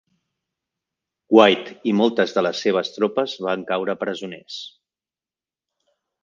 White i moltes de les seves tropes van caure presoners.